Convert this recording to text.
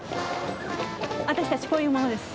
私たちこういう者です。